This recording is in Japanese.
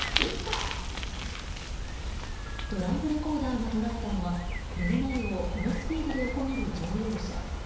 ドライブレコーダーが捉えたのは目の前を猛スピードで横切る乗用車。